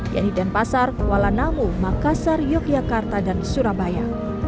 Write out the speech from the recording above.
yang di denpasar kuala namu makassar yogyakarta dan surabaya